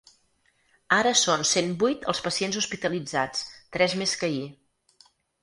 Ara són cent vuit els pacients hospitalitzats, tres més que ahir.